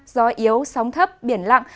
gió yếu sóng thấp biển lặng